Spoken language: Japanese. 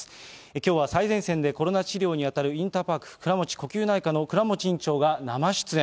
きょうは最前線でコロナ治療に当たるインターパーク倉持呼吸内科の倉持院長が生出演。